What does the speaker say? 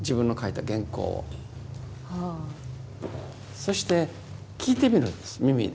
そして聞いてみるんです耳で。